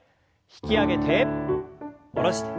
引き上げて下ろして。